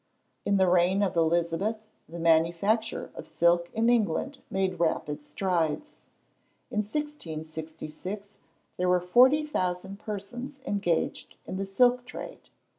In the reign of Elizabeth, the manufacture of silk in England made rapid strides. In 1666, there were 40,000 persons engaged in the silk trade.